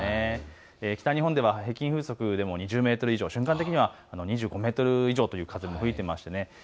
北日本では平均風速でも２０メートル以上、瞬間的には２５メートル以上という風も吹いています。